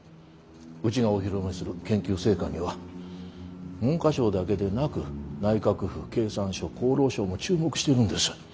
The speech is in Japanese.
うちがお披露目する研究成果には文科省だけでなく内閣府経産省厚労省も注目してるんです。